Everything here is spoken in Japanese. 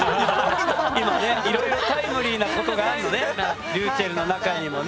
今ねいろいろタイムリーなことがあるのねｒｙｕｃｈｅｌｌの中にもね。